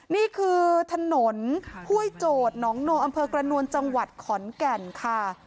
นี่คือถนนห้วยโจทย์หนองโนอำเภอกระนวลจังหวัดขอนแก่นค่ะ